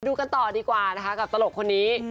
ดูกันต่อดีกว่านะคะกับตลกคนนี้